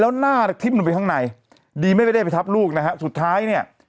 แล้วหน้าเนี่ยทิ้มลงไปข้างในดีไม่ได้ไปทับลูกนะฮะสุดท้ายเนี่ย